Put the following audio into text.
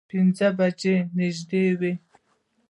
پینځه بجې نږدې وې.